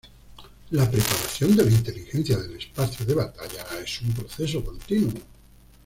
La preparación de la inteligencia del espacio de batalla es un proceso continuo.